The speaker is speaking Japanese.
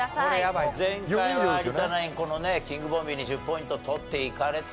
前回は有田ナインこのキングボンビーに１０ポイント取っていかれた。